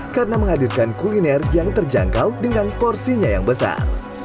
karena menghadirkan kuliner yang terjangkau dengan porsinya yang besar